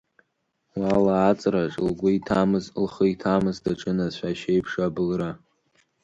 Уа лааҵраҿ, лгәы иҭамыз, лхы иҭамыз, даҿын ацәашь еиԥш абылра.